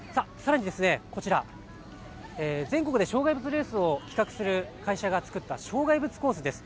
さらに、全国の障害物レースを企画する会社が作った障害物コースです。